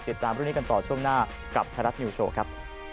ติดตามรุ่นนี้กันต่อช่วงหน้ากับแฮร์ทนิวโชว์ครับ